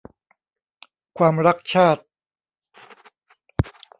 ความรักชาติ